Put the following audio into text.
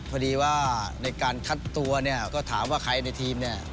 พอดีว่าในการคัดตัวก็ถามว่าใครในทีม